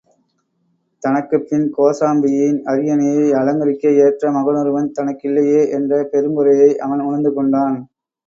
தனக்குப்பின் கோசாம்பியின் அரியணையை அலங்கரிக்க ஏற்ற மகனொருவன் தனக்கில்லையே என்ற பெருங்குறையை அவன் உணர்ந்து கொண்டான்.